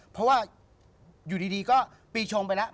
เพราะว่าอยู่ดีก็ปีชงไปแล้ว